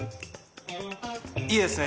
いいですね。